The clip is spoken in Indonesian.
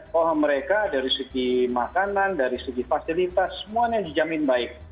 bahwa mereka dari segi makanan dari segi fasilitas semuanya dijamin baik